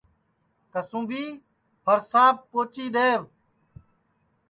کسُُونٚمبی پھرساپ پوچی دؔیوَ